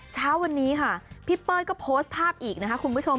เช้าวันนี้ค่ะพี่เป้ยก็โพสต์ภาพอีกนะคะคุณผู้ชม